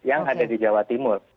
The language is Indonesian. yang ada di jawa timur